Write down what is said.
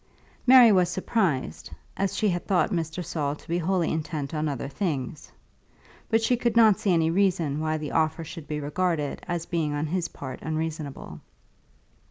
Mary was surprised, as she had thought Mr. Saul to be wholly intent on other things; but she could not see any reason why the offer should be regarded as being on his part unreasonable.